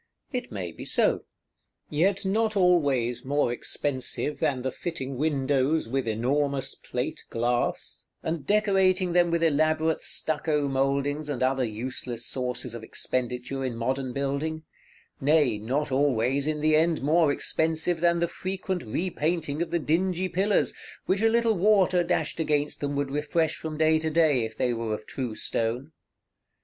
It may be so: yet not always more expensive than the fitting windows with enormous plate glass, and decorating them with elaborate stucco mouldings and other useless sources of expenditure in modern building; nay, not always in the end more expensive than the frequent repainting of the dingy pillars, which a little water dashed against them would refresh from day to day, if they were of true stone.